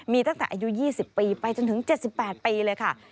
มีตั้งแต่อายุ๒๐ปีไปจนถึง๗๘ปีเลยค่ะ